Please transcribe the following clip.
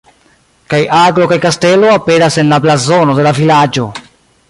Kaj aglo kaj kastelo aperas en la blazono de la vilaĝo.